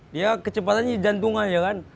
dia kecepatannya jantungan ya kan